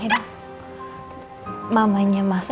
soalnya kakaknya udah balik ke jakarta ya